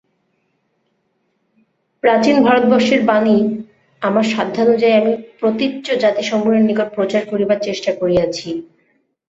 প্রাচীন ভারতবর্ষের বাণী আমার সাধ্যানুযায়ী আমি প্রতীচ্য জাতিসমূহের নিকট প্রচার করিবার চেষ্টা করিয়াছি।